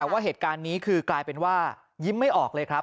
แต่ว่าเหตุการณ์นี้คือกลายเป็นว่ายิ้มไม่ออกเลยครับ